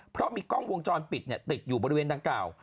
เพราะมีกล้องวงจรปิดติดอยู่บริเวณดังกล่าว